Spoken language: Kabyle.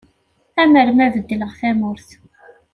Amar ma beddleɣ tamurt.